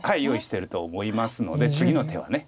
用意してると思いますので次の手は。